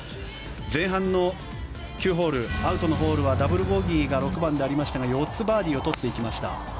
前半の９ホールアウトのホールはダブルボギーが６番でありましたが４つバーディーをとっていきました。